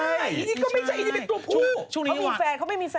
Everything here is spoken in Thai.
อันนี้ก็ไม่ใช่อันนี้เป็นตัวผู้เขามีแฟนเขาไม่มีแฟน